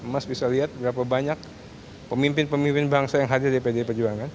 mas bisa lihat berapa banyak pemimpin pemimpin bangsa yang hadir di pdi perjuangan